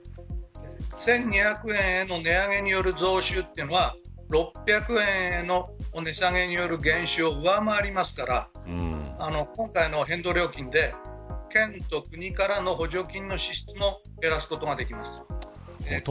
１２００円の値上げによる増収というのは６００円の値下げによる減収を上回りますから今回の変動料金で県と国からの補助金の支出も減らすことができます。